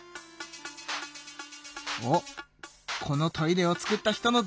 おっこのトイレを作った人の動画だ。